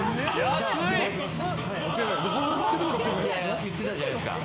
言ってたじゃないですか。